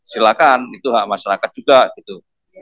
silakan itu hak masyarakat juga gitu